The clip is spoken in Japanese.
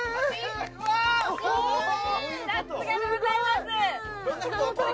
さすがでございますすごい！